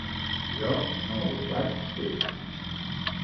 Jo no ho vaig fer.